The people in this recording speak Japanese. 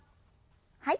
はい。